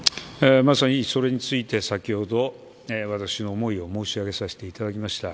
まさにそれについて先ほど私の思いを申し上げさせていただきました。